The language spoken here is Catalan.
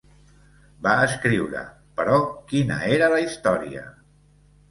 Va escriure: "Però quina "era" la història?